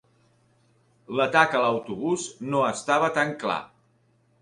L'atac a l'autobús no estava tan clar.